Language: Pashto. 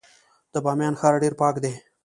د بامیان ښار ډیر پاک دی